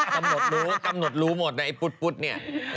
กำหนดรู้หมดนะไอ้ปุ๊ดนี่